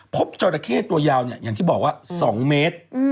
จราเข้ตัวยาวอย่างที่บอกว่า๒เมตร